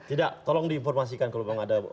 tidak tolong diinformasikan kalau memang ada